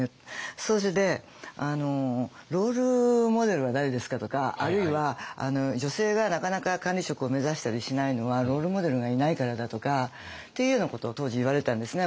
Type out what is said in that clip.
それで「ロールモデルは誰ですか？」とかあるいは「女性がなかなか管理職を目指したりしないのはロールモデルがいないからだ」とかっていうようなことを当時言われてたんですね